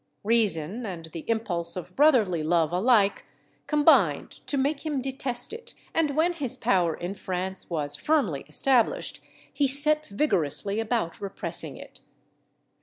Reason and the impulse of brotherly love alike combined to make him detest it, and when his power in France was firmly established, he set vigorously about repressing it.